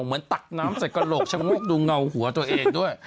เหมือนตักน้ำใส่กระโกะดูเงาหัวตัวเองด้วย